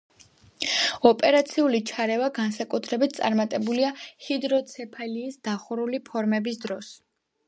ოპერაციული ჩარევა განსაკუთრებით წარმატებულია ჰიდროცეფალიის დახურული ფორმების დროს.